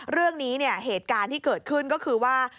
เรื่องนี้เนี่ยเหตุการณ์ที่เกิดขึ้นก็คือว่า